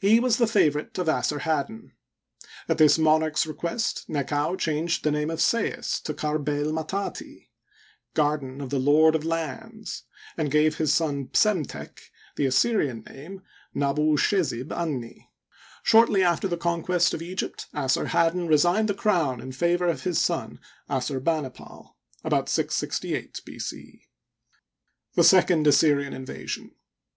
He was the favorite of Assarhaddon. At this monarch's request Nekau changed the name of Sais to Kar Bil Matdti, "Garden of the Lord of Lands," and gave his son Psemtek the Assyrian name Nabu ushizib an nu Shortly after the conquest of Egypt Assarhaddon resigned the crown in favor of nis son Assurbampal (diboMt 668 B. c). The Second Assyrian Invasion.